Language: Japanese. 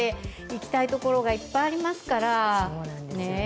行きたいところがいっぱいありますから。